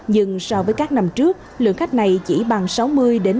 nhưng so với các năm trước lượng khách này chỉ bằng sáu mươi ba mươi